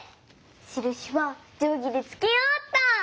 しるしはじょうぎでつけようっと。